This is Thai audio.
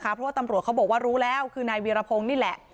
เพราะว่าตำรวจเขาบอกว่ารู้แล้วคือนายเวียรพงศ์นี่แหละ